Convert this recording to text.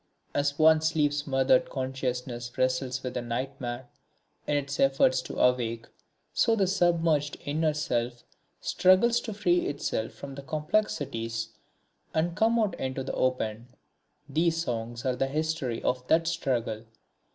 As one's sleep smothered consciousness wrestles with a nightmare in its efforts to awake, so the submerged inner self struggles to free itself from its complexities and come out into the open. These Songs are the history of that struggle.